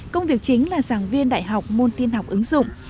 công việc chính là giảng viên đại học môn tiên học ứng dụng